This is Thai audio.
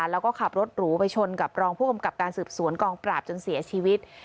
แล้วก็ขับรถหรูไปชนกับรองผู้กำกับการสืบสวนกองปราบจนเสียชีวิต